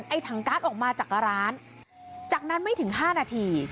ถังการ์ดออกมาจากร้านจากนั้นไม่ถึง๕นาที